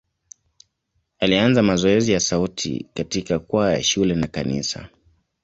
Alianza mazoezi ya sauti katika kwaya ya shule na kanisa.